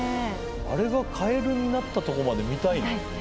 あれがカエルになったとこまで見たいね。